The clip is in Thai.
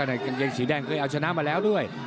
กางเกงสีแดงเคยเอาชนะมาแล้วด้วย